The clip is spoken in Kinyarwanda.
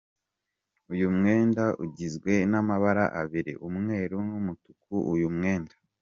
Uyu mwenda ugizwe n’ amabara abiri , umweru n’ umutuku, uyu mwenda.